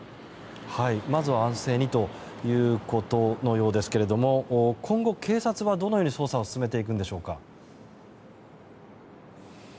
まずは安静にということのようですが今後、警察はどのように捜査を進めていくんでしょうか。